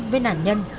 với nạn nhân